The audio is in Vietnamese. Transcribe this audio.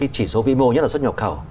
chỉ số vĩ mô nhất là xuất nhập khẩu